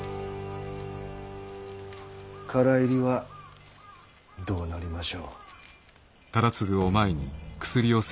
唐入りはどうなりましょう？